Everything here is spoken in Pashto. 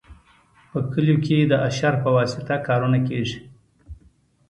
په کلیو کې د اشر په واسطه کارونه کیږي.